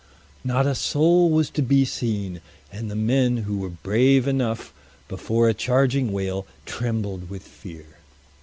Not a soul was to be seen, and the men, who were brave enough before a charging whale, trembled with fear.